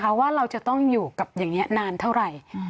เพราะว่าเราจะต้องอยู่กับอย่างนี้นานเท่าไหร่